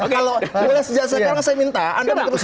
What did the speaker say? kalau sekarang saya minta anda minta